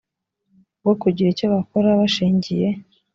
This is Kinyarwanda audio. bwo kugira icyo bakora bashingiye